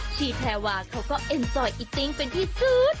ชีแพรวาเขาก็เอ็นจอยอิตติ้งเป็นที่สุด